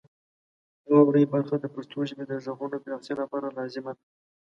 واورئ برخه د پښتو ژبې د غږونو د پراختیا لپاره لازمه ده.